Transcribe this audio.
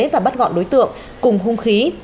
và bắt gọn đối tượng cùng hung khí